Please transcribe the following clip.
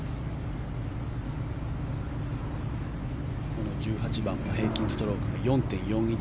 この１８番は平均ストローク差が４．４１３